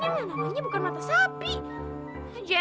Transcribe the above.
gimana ini mbak namanya bukan mata sapi